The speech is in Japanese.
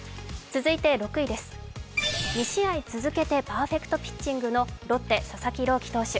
続いて６位です、２試合続けてパーフェクトピッチングのロッテ・佐々木朗希投手。